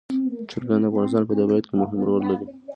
چرګان د افغانستان په طبیعت کې مهم رول لري.